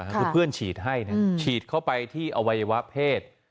คือเพื่อนฉีดให้ฉีดเข้าไปที่อวัยวะเพศ